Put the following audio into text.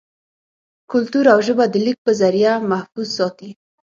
کلتور او ژبه دَليک پۀ زريعه محفوظ ساتي